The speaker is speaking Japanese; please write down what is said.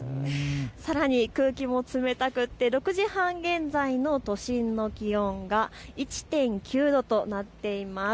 さらに空気も冷たくて６時半現在の都心の気温が１．９度となっています。